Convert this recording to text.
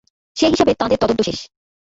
সে হিসেবে তাঁদের তদন্ত শেষ।